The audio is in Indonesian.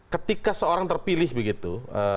ketika seorang terpilih begitu menjadi komponen